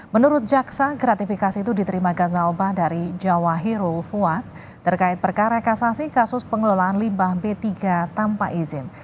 menurut jaksa gratifikasi itu diterima gaza oba dari jawa hirul fuad terkait perkara kasasi kasus pengelolaan limbah b tiga tanpa izin